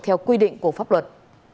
theo quy định của pháp luật